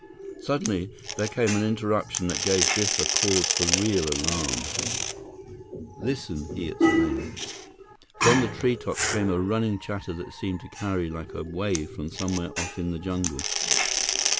Suddenly, there came an interruption that gave Biff a cause for real alarm. "Listen!" he exclaimed. From the treetops came a running chatter that seemed to carry like a wave from somewhere off in the jungle.